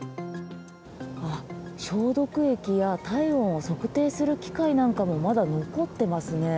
消毒液や、体温を測定する機械なんかもまだ残っていますね。